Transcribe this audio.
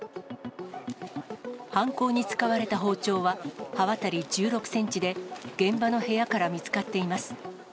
犯行に使われた包丁は、刃渡り１６センチで、現場の部屋から見つかっています。